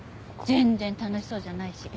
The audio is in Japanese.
全然楽しそうじゃないし。